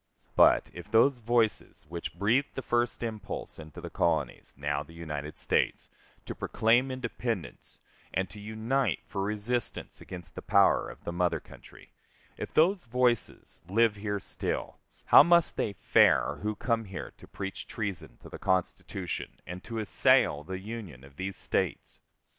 But, if those voices which breathed the first impulse into the colonies now the United States to proclaim independence, and to unite for resistance against the power of the mother country if those voices live here still, how must they fare who come here to preach treason to the Constitution and to assail the union of these States?